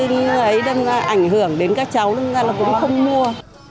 nó ấy đâm ra ảnh hưởng đến các cháu đâm ra là cũng không mua